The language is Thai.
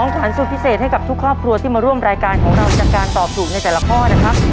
ขวัญสุดพิเศษให้กับทุกครอบครัวที่มาร่วมรายการของเราจากการตอบถูกในแต่ละข้อนะครับ